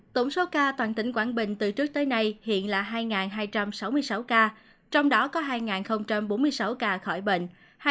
tổng số ca toàn tỉnh quảng bình từ trước tới nay hiện là hai hai trăm sáu mươi sáu ca trong đó có hai bốn mươi sáu ca khỏi bệnh